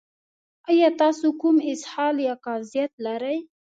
ایا تاسو کوم اسهال یا قبضیت لرئ؟